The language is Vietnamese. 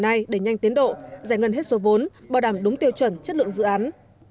nay để nhanh tiến độ giải ngân hết số vốn bảo đảm đúng tiêu chuẩn chất lượng dự án